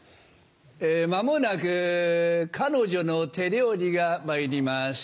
えまもなく彼女の手料理が参ります。